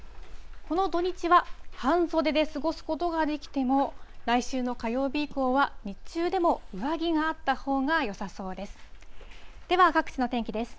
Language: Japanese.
この土日は半袖で過ごすことができても、来週の火曜日以降は、日中でも上着があったほうがよさそうです。